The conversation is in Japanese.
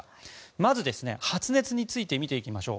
まず、発熱について見ていきましょう。